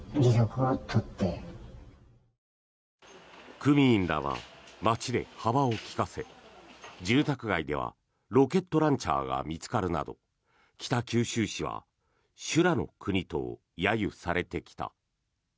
組員らは街で幅を利かせ住宅街ではロケットランチャーが見つかるなど北九州市は修羅の国と揶揄されてきた。